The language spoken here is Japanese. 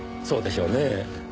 そうでしょうね。